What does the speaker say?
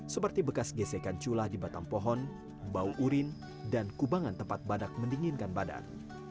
seperti bekas gesekan culah di batang pohon bau urin dan kubangan tempat badak mendinginkan badan